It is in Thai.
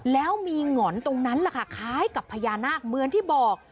แล้วมีหง่อนตรงนั้นแหละค่ะคล้ายกับพญานาคเหมือนที่บอก